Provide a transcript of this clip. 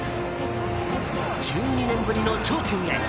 １２年ぶりの頂点へ。